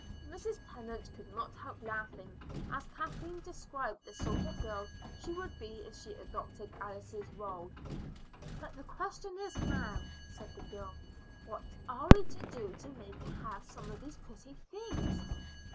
Mrs. Tennant could not help laughing as Kathleen described the sort of girl she would be if she adopted Alice's role. "But the question is now," said the girl, "what are we to do to make her have some of these pretty things?